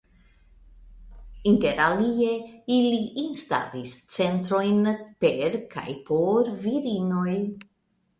Interalie ili instalis centrojn per kaj por virinoj.